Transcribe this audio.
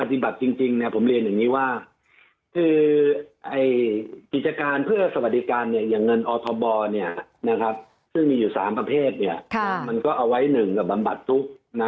ซึ่งมีอยู่สามประเภทมันก็เอาไว้หนึ่งกับบำบัดทุกข์